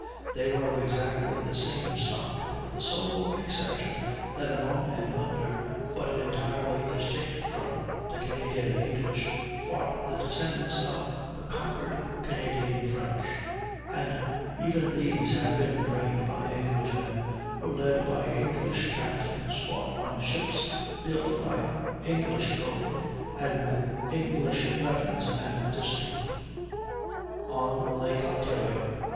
They were of exactly the same stock, with the sole exception that among and under, but entirely distinct from, the Canadian English, fought the descendants of the conquered Canadian French; and even these had been trained by Englishmen, were led by English captains, fought on ships built by English gold, and with English weapons and discipline. On Lake Ontario.